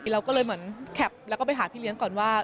เราก็เลยเหมือนแคปแล้วก็ไปหาพี่เลี้ยงก่อนว่า